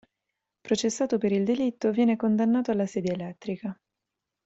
Processato per il delitto, viene condannato alla sedia elettrica.